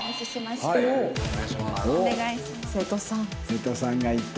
瀬戸さんがいった。